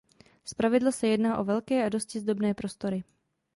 Zpravidla se jedná o velké a dosti zdobné prostory.